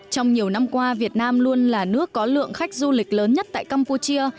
trong nhiều năm qua việt nam luôn là nước có lượng khách du lịch lớn nhất tại campuchia